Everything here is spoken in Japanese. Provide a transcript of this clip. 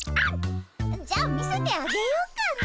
じゃあ見せてあげようかね。